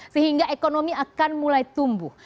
sehingga ekonomi akan mulai tumbuh